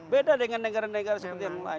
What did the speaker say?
beda dengan negara negara seperti yang lain